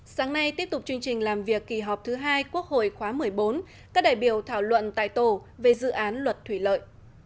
sáng nay tiếp tục chương trình làm việc kỳ họp thứ hai quốc hội khóa một mươi bốn các đại biểu thảo luận tại tổ về dự án luật thủy lợi